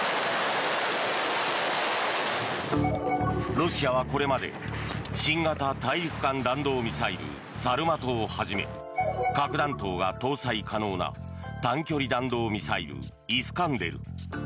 ロシアはこれまで新型大陸間弾道ミサイルサルマトをはじめ核弾頭が搭載可能な短距離弾道ミサイルイスカンデル